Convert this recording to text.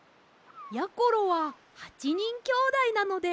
やころは８にんきょうだいなので８